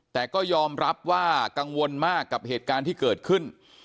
แต่ก็ยอมรับว่ากังวลมากกับเหตุการณ์ที่เกิดขึ้น